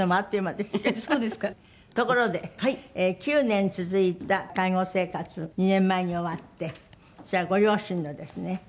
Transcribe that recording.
ところで９年続いた介護生活２年前に終わってそれはご両親のですね。